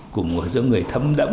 của một số người thấm đậm